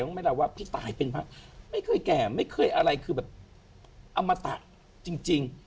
ไหมล่ะว่าพี่ตายเป็นพระไม่เคยแก่ไม่เคยอะไรคือแบบอมตะจริง